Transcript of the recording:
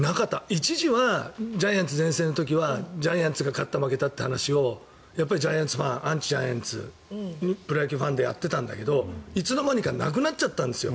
一時は、ジャイアンツ全盛の時はジャイアンツが勝った負けたっていう話をジャイアンツファンアンチジャイアンツプロ野球でやってたんだけどいつのまにかなくなっちゃったんですよ